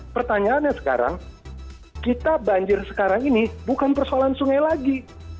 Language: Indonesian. pertanyaannya sekarang kita banjir sekarang ini bukan persoalan sungai lagi